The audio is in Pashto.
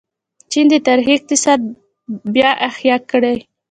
چین د تاریخي اقتصاد بیا احیا کړې.